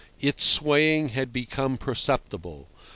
Its swaying had become perceptible.